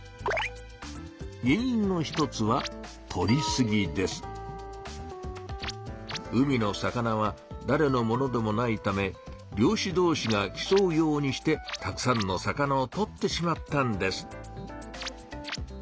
原いんの一つは海の魚はだれのものでもないため漁しどうしが競うようにしてたくさんの魚をとってしまったんです。